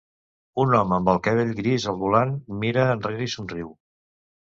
Un home amb el cabell gris al volant mira enrere i somriu.